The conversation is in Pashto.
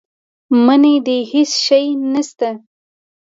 منی دی هېڅ شی نه شته.